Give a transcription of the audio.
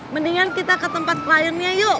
mendingan kita ke tempat kliennya yuk